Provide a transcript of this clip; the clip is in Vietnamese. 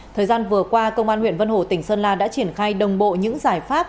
thời gian vừa qua công an huyện vân hồ tỉnh sơn la đã triển khai đồng bộ những giải pháp